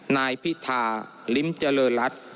นายพิธาลิ้มเจริญรัฐ